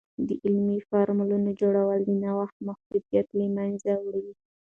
د علمي فورمونو جوړول، د نوښت محدودیت له منځه وړي.